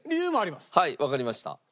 はいわかりました。